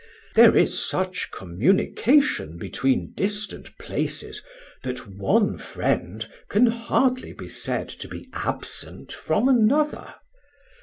There is such communication between distant places that one friend can hardly be said to be absent from another.